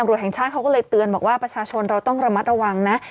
ตำรวจแห่งชาติเขาก็เลยเตือนบอกว่าประชาชนเราต้องระมัดระวังนะ